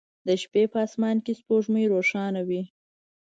د شپې په اسمان کې سپوږمۍ روښانه وي